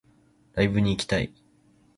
ライブに行きたい